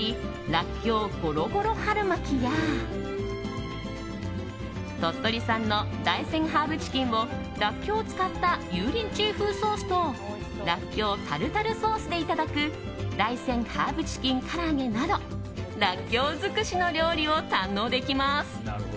らっきょうゴロゴロ春巻きや鳥取産の大山ハーブチキンをらっきょうを使った油淋鶏風ソースとらっきょうタルタルソースでいただく大山ハーブチキンから揚げなどらっきょう尽くしの料理を堪能できます。